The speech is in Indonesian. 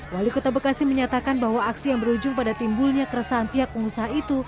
wali kota bekasi menyatakan bahwa aksi yang berujung pada timbulnya keresahan pihak pengusaha itu